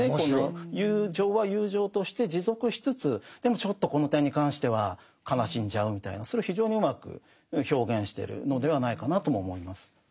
友情は友情として持続しつつでもちょっとこの点に関しては悲しんじゃうみたいなそれを非常にうまく表現してるのではないかなとも思います。